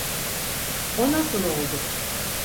O nasıl oldu?